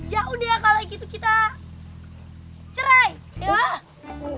yaudah kalo gitu kita cerai